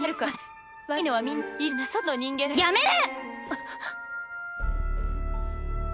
あっ！